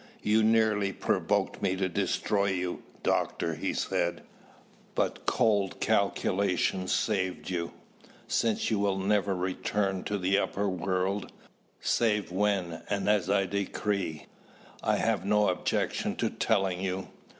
"You nearly provoked me to destroy you, Doctor," he said, "but cold calculation saved you. Since you will never return to the upper world, save when and as I decree, I have no objection to telling you.